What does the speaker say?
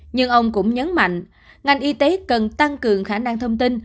nhưng ông cũng nhấn mạnh ngành y tế cần tăng cường khả năng thông tin